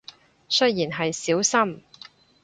雖然係少深